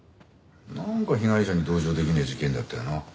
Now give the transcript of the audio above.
なんか被害者に同情できねえ事件だったよな。